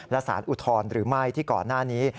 และสารอุทธรณ์หรือไม่ที่ก่อนหน้านี้